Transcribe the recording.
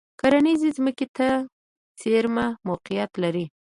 کرنیزې ځمکې ته څېرمه موقعیت لري.